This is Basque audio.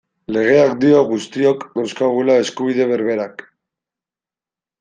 Legeak dio guztiok dauzkagula eskubide berberak.